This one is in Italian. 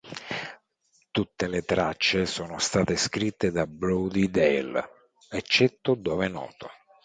Tutte le tracce sono state scritte da Brody Dalle eccetto dove noto.